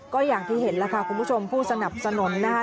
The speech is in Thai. ก็อย่างที่เห็นแล้วค่ะคุณผู้ชมผู้สนับสนุนนะคะ